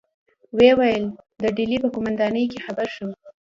ویې ویل: د ډلې په قومندانۍ کې خبر شوم.